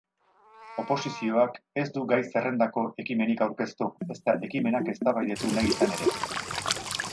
Oposizioak ez du gai-zerrendako ekimenik aurkeztu, ezta ekimenak eztabaidatu nahi izan ere.